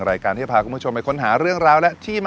รายการที่จะพาคุณผู้ชมไปค้นหาเรื่องราวและที่มา